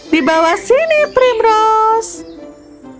di bawah sini primrose